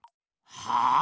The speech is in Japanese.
はあ？